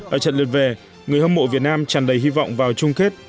ở trận lượt về người hâm mộ việt nam tràn đầy hy vọng vào chung kết